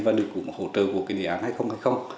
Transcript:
và được hỗ trợ của đề án hai nghìn hai mươi